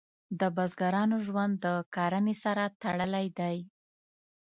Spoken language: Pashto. د بزګرانو ژوند د کرنې سره تړلی دی.